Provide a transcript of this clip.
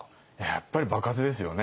やっぱり場数ですよね。